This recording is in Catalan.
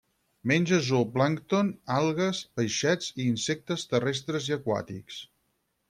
Menja zooplàncton, algues, peixets i insectes terrestres i aquàtics.